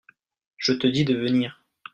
je te dis de venir.